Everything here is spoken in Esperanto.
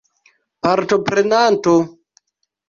partoprenanto